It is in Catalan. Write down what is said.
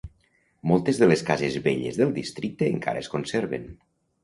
Moltes de les cases velles del districte encara es conserven.